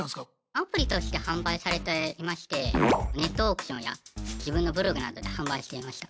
アプリとして販売されていましてネットオークションや自分のブログなどで販売していました。